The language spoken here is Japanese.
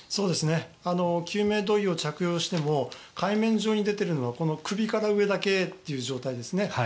救命胴衣を着用しても海面上に出ているのはこの首から上だけという状態ですね。